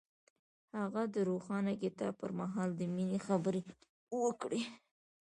هغه د روښانه کتاب پر مهال د مینې خبرې وکړې.